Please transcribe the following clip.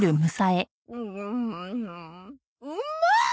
うまっ！